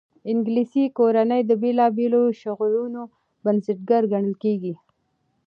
انګلیسي کورنۍ د بېلابېلو شغلونو بنسټګر ګڼل کېږي.